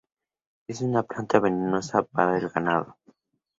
Es una planta venenosa para el Ganado.